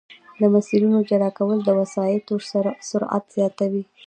د مسیرونو جلا کول د وسایطو سرعت زیاتوي